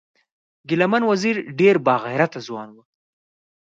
ګلمن وزیر ډیر با غیرته ځوان و